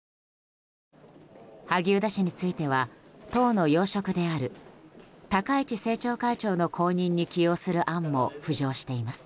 萩生田氏については党の要職である高市政調会長の後任に起用する案も浮上しています。